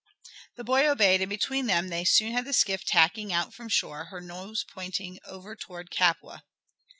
The boy obeyed, and between them they soon had the skiff tacking out from shore, her nose pointing over towards Capua.